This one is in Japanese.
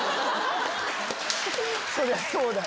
そりゃそうだ。